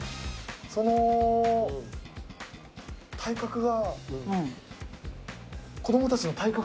その体格が。